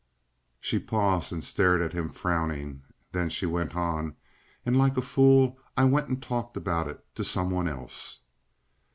She paused and stared at him, frowning. Then she went on: "And, like a fool, I went and talked about it to some one else."